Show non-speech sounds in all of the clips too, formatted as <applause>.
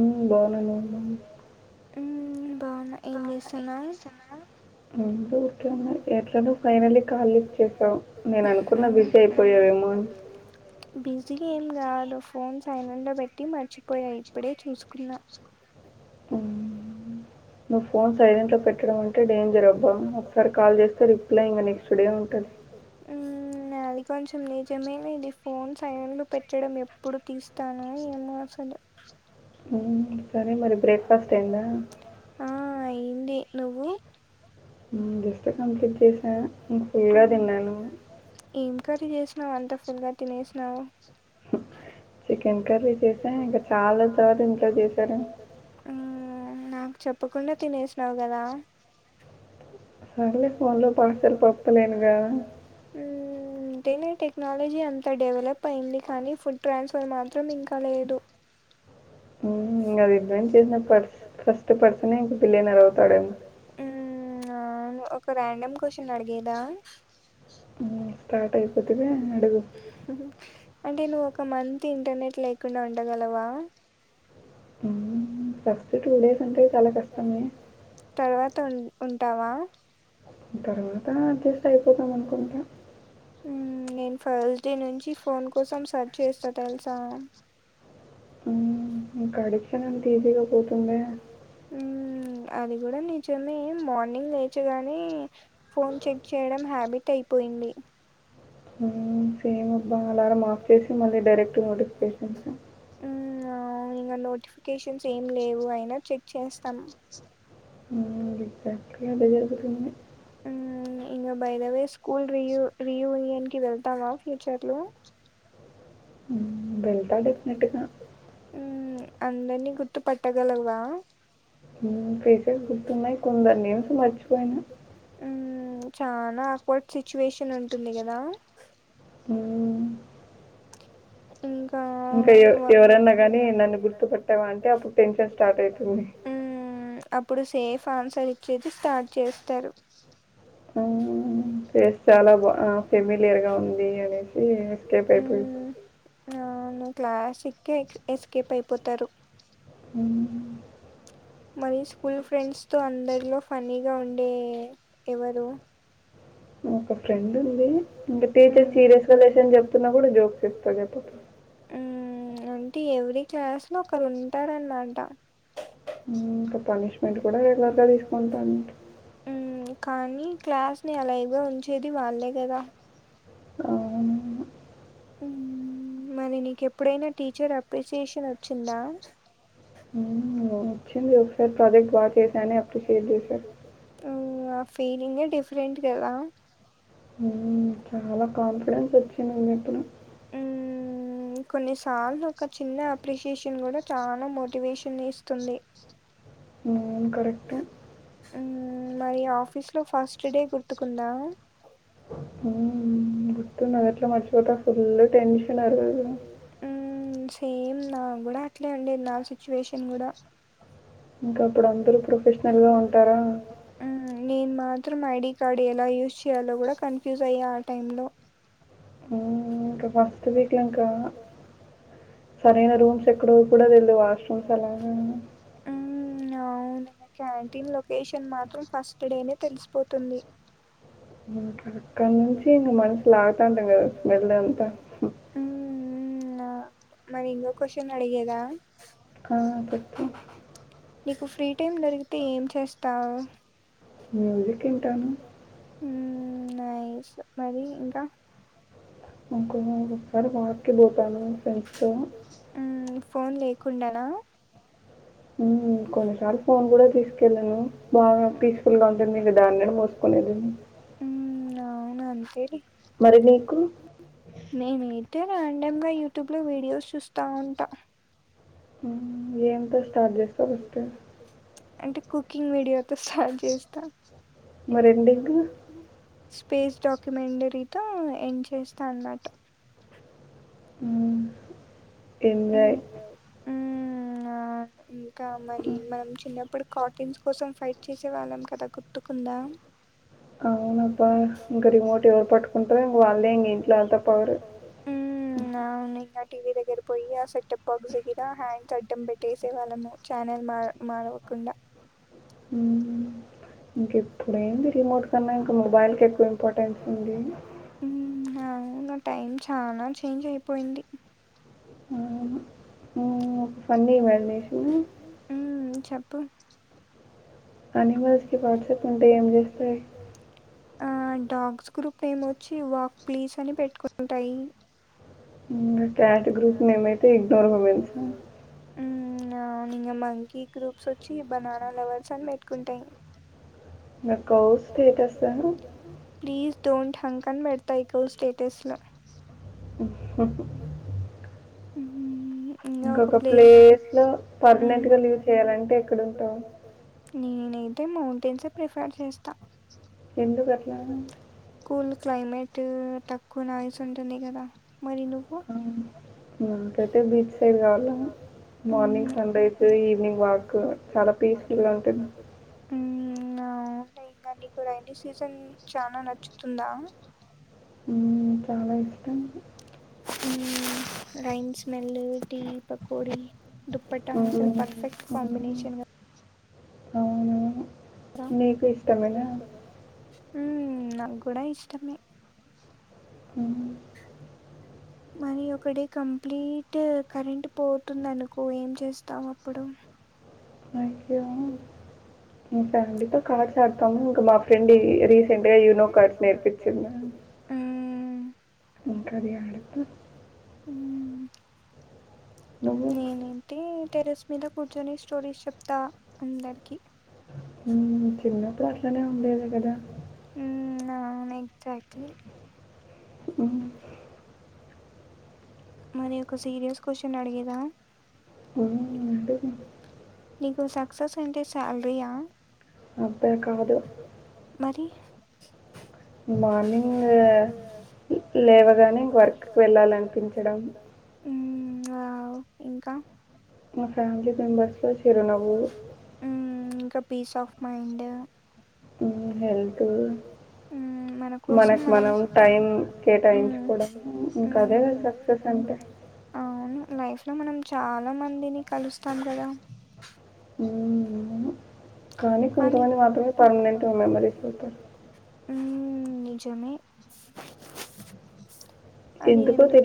ఊ బాగున్న నువ్వు బాగున్నావా బాగున్నా ఏం చేస్తున్నావు అ ఓకే అమ్మ ఎట్లా ను ఫైనలీ కాల్ ఇచ్చసాం నేను అనుకున్న బిజీ అయిపోయావేమో అవు బిస్ జ ఏం కాదు ఫోన్ సైలెంట్ లో పెట్టి మర్చిపోయాయి ఇప్పుడే చూసుకున్నా ఓ నువ్వు ఫోన్ సైలెంట్ లో పెట్టడం అంటే డేంజర్ అబ్బా ఒకసారి కాల్ చేస్తే రిప్లై ఇంకా నెక్స్ట్ డే ఉంటుంది ఉ అది కొంచెం నిజమే ఇది ఫోన్ సైలెంట్లో పెట్టడం ఎప్పుడు తీస్తాను ఏమో అసలు దొ సరే మరి బ్రేక్ఫాస్ట్ అయిందా అయియంది నువ్వు జస్ట్ కంప్లీట్ చేసా నేను ఫుల్గా తిన్నాను కర్రీ చేసినవ అంతా ఫుల్గా తినేసినావు <inaudible> ఉ నాకు చెప్పకుండా తినేసినావు కదా సర్లే ఫోన్లో పార్సలు పప్పలేను కదా ఇంటేనే టెక్నాలజీ అంత డెవలప్ అయింది కానీ ఫుడ్ ట్రాన్స్ఫర్ మాత్రం ఇంకా లేదు ఉ ఇం అది ఇడ్వెంట్ చేసిన పర్స ఫస్ట్ పర్సనే ఇంక పేలిన అరవుతాడేమి ఆ ఒక రాండమ్ క్వశ్చన్ అడిగేదా స్టార్ట్ అయిపోతవి అడుగు అంటే నువ్వు ఒక మంత్ ఇంటర్నెట్ లేకుండా ఉండగలవా ఫస్ట్ టూ డేస్ అంటే చాలా కష్టమే ఉంటావా తర్వాత అట్లీస్ట్ అయిపోదాం అనుకుంటా నేను ఫర్స్డే నుంచి ఫోన్ కోసం సెర్చ్ చేస్తా తెలుసాను ఇం గడిచను ఎంత ఈజీగా పోతుంద అది కూడా నిజమే మార్నింగ్ లేచగానే ఫోన్ చెక్ చేయడం హ్యాబిట్ అయిపోయింది ఏండి అలారం ఆఫ్ చేసి మళ్ళీ డైరెక్ట్ నోటిఫికేషన్ ఇంకా నోటిఫికేషన్స్ ఏమి లేవు అయినా చెక్ చేస్తాం <unintelligible> ఇంకా బయదవే స్కూల్ రియ రియూనియన్ కి వెళ్తావ ఫ్యూచర్ లో వెళ్తా డిఫరెంట్ గా అందరినీ గుర్తుపట్టగలవా ఫేసెస్ గుర్తున్నాయి కొందరీ నేమ్స్ మర్చిపోయినా చనా అట్ సిచ్యువేషన్ ఉంటుంది కదా ఆ ఇంకా ఎవరన్నా గాని నన్ను గుర్తుపట్టావా అంటే అప్పుడు టెన్షన్ స్టార్ట్ అవుతుంది ఇప్పుడు సేఫ్ ఆన్సర్ ఇచ్చేది స్టార్ట్ చేస్తారు చాలా బా ఫెమిలియర్గా ఉంది అనేసి స్టేప్ అయిపోయింది న క్లాసిక్ ఎస్కేప్ అయిపోతారు ఉ మరి స్కూల్ ఫ్రెండ్స్ తో అందరిలో ఫన్నీగా ఉండే ఎవరు ఒక ఫ్రెండ్ ఉంది ఇంకా టీచర్ సీరియస్ గా లేషని చెప్తున్నా కూడా జోక్స్ ఇస్తాపోత అంటే ఎవరి క్లాస్ లో ఒకరు ఉంటారనమాట ఇంకా పనిష్మెంట్ కూడా రెగ్యులర్గా తీసుకుంటాను కానీ క్లాస్ ని అలా ఎవ ఉంచేది వాళ్ళే కదా అవునా ఉహ్మ్ మణి నీకు ఎప్పుడైనా టీచర్ అప్రిసియేషన్ వచ్చిందా ఊ వచ్చింది ఒకసారి ప్రాజెక్ట్ బాగా చేశాని అప్రిషియేట్ చేశారు అవ్వు ఆ ఫీలింగే డిఫరెంట్ కదా ఊ చాలా కాన్ఫిడెన్స్ వచ్చిందినీ ఇప్పుడు ఊ కొన్నిసార్లు ఒక చిన్న అప్రిషియేషన్ కూడా చానా మోటివేషన్ ఇస్తుంది నును కరెక్ట్ ఏ ఉన్న్ మరి ఆఫీస్ లో ఫస్ట్ డే గుర్తుకుందా ఊ ఊ గుర్తున్నది ఎట్లా మర్చిపోతా ఫుల్ టెన్షన్ ఆరోజు చేమ్ నా కూడా అట్లే ఉండే నా సిచ్యువేషన్ కూడా ఇంకా అప్పుడు అందరు ప్రొఫెషనల్ గా ఉంటారా నేను మాత్రం ఐడి కార్డు ఎలా యూస్ చేయాలో కూడా కన్ఫ్యూజ్ అయ్యా ఆ టైంలో ఇంకా ఫస్ట్ వీక్లో ఇంకా సరైన రూమ్స్ ఎక్కడో కూడా తెలియదు వాష్రూమ్స్ ఎలా నౌన్ క్యాంటీన్ లొకేషన్ మాత్రం ఫస్ట్ డే నే తెలిసిపోతుంది ఇన్ కాడ <unintelligible> ఉ ఆ మరీ ఇంకా క్వశ్చన్ అడిగేదా కా పెట్టు నీకు ఫ్రీ టైమ్ దొరికితే ఏం చేస్తావ్ మ్యూజిక్ ఇంటాను ఉ నైస్ మరి ఇంకా ఇంకో ఒక్కోసారి వాక్ కి పోతాను ఫ్రెండ్స్ తో ఫోన్ లేకుండా నా ఉ కొన్నిసార్లు ఫోన్ కూడా తీసుకెళ్ళను బాగా పీస్ఫుల్ గా ఉంటుంది ఇంకా దాన్ని యాడ మోసుకొని <unintelligible> అవునా అంతే లే నేనే అంతే ర్యాండమ్ గా యూట్యూబ్ లో వీడియోస్ చూస్తా ఉంటా ఉ ఎంతో స్టార్ట్ చేస్తావ్ వేస్తే అంటే కుకింగ్ వీడియోతో సార్ట్ చేస్తా మరి ఎండింగ్ ఉ స్పేస్ డాక్యుమెండరితో ఎండ్ చేస్తా అన్ననాట ఊ ఎంజాయ్ కా మళ్ళీ మనం చిన్నప్పుడు కార్టూన్స్ కోసం ఫైట్ చేసే వాళ్ళం కదా గుర్తుకుందా అవును ఇక ఇంకా రిమోట్ పట్టుకుంటే వాళ్ళే ఇంట్లో <unintelligible> ఊ అవును ఇంక టీవీ దగ్గర పోయి ఆ సెటప్ బాక్స్ దగ్గర హ్యాండ్స్ అడ్డం పెట్టేసే వాళ్ళము ఛానల్ మా మరవక కుండా ఊ ఊ ఇంక ఇప్పుడ ఏంది రిమోట్ కన్నా ఇంకా మొబైల్ కి ఎక్కువ ఇంపార్టెంట్స్ ఉంది ఉ నా టైం చానా చేంజ్ అయిపోయింది ఉ ఊ చెప్పు ఆనిమల్స్ కి వాట్సాప్ ఉంటే ఏం చేస్తాయి ఆ డాగ్స్ గ్రూప్ ఏమి వచ్చి వాక్ ప్లీస్ అని పెట్టుకుంటాయి ఇంగా క్యాట్ గ్రూప్ నేమ్ అయితే ఇగ్నోర్ <unintelligible> ఉహ్మ్ అవును ఇంగ మకీ గ్రూప్స్ వచ్చి బనానా లవర్స్ అని పెట్టుకుంటాయి ఇన్ ఇంగ కౌ స్టేటస్ ఆ ప్లీజ్ డోంట్ హంక్ అని పెడతాయి కౌ స్టేటస్ లో <unintelligible> హు ఇంకొక ప్లేస్ లో పర్మనెంట్ గా లివ్ చేయాలంటే ఎక్కడుంటావ్ నేనైతే మౌంటైన్స్ ప్రిఫర్ చేస్తా ఎందుకట్లా కూల్ క్లైమేటు తక్కువ నాయిస్ ఉంటుంది కదా మరి నువ్వు నాకైతే బీచ్ సైడ్ కావాల మార్నింగ్ సండేస్ ఈవినింగ్ వాక్ చాలా పీస్ఫుల్లా ఉంటుంది ఉ ఆ ఉంటై ఇంకా నీకు రైనీ సీజన్ చనా నచ్చుతుందా ఉమ్ చాలా ఇష్టం ఉమ్ రైన్ స్మెల్లు టీ పకోడి దుప్పట్ట ఉంటే పర్ఫెక్ట్ కాంబినేషన్ గా అవునూ మీకు ఇష్టమేనా ఉమ్ నాగ్గుడా ఇష్టమే హు మరి ఒకడే కంప్లీట్ కరెంట్ పోతుంది అనుకో ఏం చేస్తాం అప్పుడు మా ఇంట్లో మా ఫ్యామిలీతో కార్డ్స్ ఆడతాము ఇంకా మా ఫ్రెండ్ రీసెంట్ గా యూనో కార్డ్స్ నేర్పించింది హ్మ్ ఇంకదే ఆడత నేనైతే టెరెస్ మీద కూర్చొని స్టోరీస్ చెప్తా అందరికి ఊ చిన్నప్పుడు అట్లనే ఉండేది కదా అవును ఎక్సక్ట్లీ హ్మ్ మరి ఒక సీరియస్ క్వశ్చన్ అడిగేదా హ్మ్ అడుగు నీకు సక్సెస్ అంటే సాలరి ఆ అబ్బే కాదు మరి మార్నింగ్ లేలేవగానే ఇంక వర్క్ కి వెళ్ళాలనిపించడం వావ్ ఇంకా మా ఫ్యామిలీ మెంబర్స్లో చిరునవ్వు పీస్ ఆఫ్ మైండ్ ఊ హెల్త్ హ్మ్ మనకు మనక్ మనం టైం కేటాయించుకోడం ఇంక అదే సక్సెస్ అంటే అవును లైఫ్ లో మనం చాలా మందిని కలుస్తాం కదా హ్మ్ కానీ కొంతమంది మాత్రమే పర్మనెంట్ మెమరీస్ అవుతారు హ్మ్ నిజమే అది ఎందు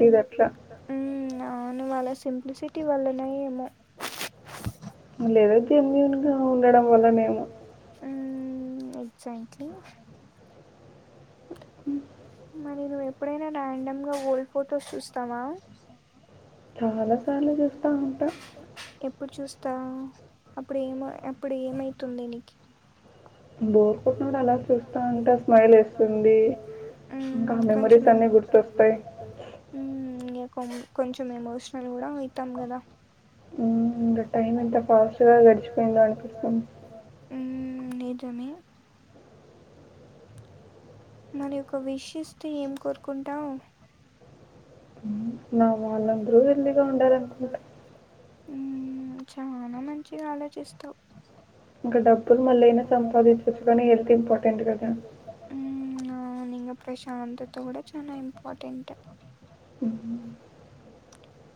ఊ అవును వాళ్ళ సింప్లిసిటీ వల్లనో ఏమో లేద జెన్యూన్ గా ఉండడం వల్లనేమో హ్మ్ ఎక్సక్ట్లి మరి నువ్వు ఎప్పుడైనా ర్యాండమ్ గా ఓల్డ్ ఫొటోస్ చూస్తావా ఇప్ ఎప్పుడు చూస్తావ్ అప్పుడు ఏమె అప్పుడు ఏమైతుంది నీకి బోర్ కొట్టినప్పుడు అలా చూస్తా ఉంటే స్మైల్ వస్తుంది ఇంకా మెమరీస్ అ న్ని గుర్తొస్తయి కొం కొంచెం ఎమోషనల్ కూడా అయితాం కదా హ్మ్ నిజమే మరి ఒక విష్ ఇస్తే ఏం కోరుకుంటావ్ నా వాళ్ళందరూ హెల్తీగా ఉండాలి అనికుంటా హ్మ్ చానా మంచిగా ఆలోచిస్తావ్ ఇంక డబ్బులు మళ్ళీ అయినా సంపాదించచ్చు కానీ హెల్త్ ఇంపార్టెంట్ కదా అవును ఇంగ ప్రశాంతతా కూడా చాలా ఇంపార్టెంట్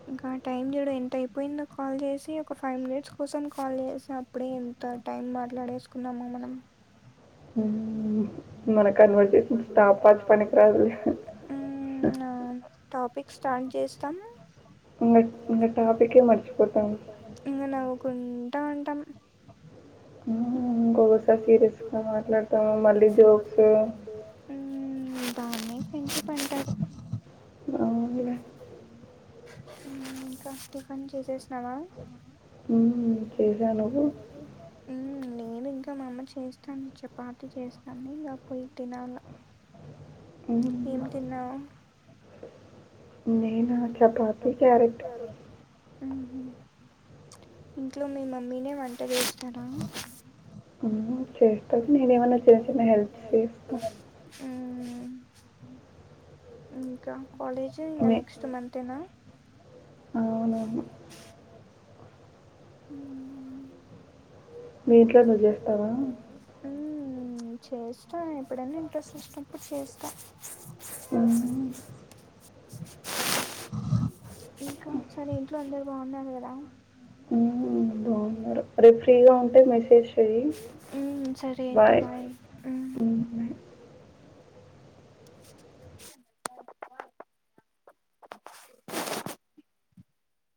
ఇంకా టైం చూడు ఎంత అయిపోయిందో కాల్ చేసి ఒక ఫైవ్ మినిట్స్ కోసం కాల్ చేస అప్పుడే ఎం త టైం మాట్లాడేసుకున్నామా మనం హ్మ్ అవును టాపిక్స్ స్టార్ట్ చేస్తం ఇంగ నువ్వు కుంటా ఉంటాం ఇంకోకసారి సీరియస్గా మాట్లాడతాం మళ్ళీ జోక్స్ దాన్నే ఫ్రెండ్షిప్ అంటారు హ్మ్ ఇంకా టిఫన్ చేసేసినావ చేసా నువ్వు హ్మ్ నేను ఇంకా మా అమ్మ చేస్తాంది చపాతి చేస్తాంది ఇంగా పోయి తినాల ఏం తిన్నావ్ నేనా చపాతి చారు హ్మ్ హు ఇంట్లో మీ మమ్మీనే వంట చేస్తారా <unintelligible> చేస్తాను నేను ఏమన్నా చిన్న చిన్న హెల్ప్స్ చేస్తా హ్మ్ ఇంకా కాలేజ్ ఇంగ నెక్స్ట్ మంతేనా <unintelligible> హ్మ్ <unintelligible> నువ్వు చేస్తావా చేస్తా ఎప్పుడైనా ఇంట్రెస్ట్ వచ్చినప్పుడు చేస్తా ఇంకా సరే ఇంట్లో అందరు బాగున్నారు కదా హ్మ్ ఉన్నారు ఫ్రీ ఫ్రీగా ఉంటే మెసేజ్ చేయి బాయ్ అంది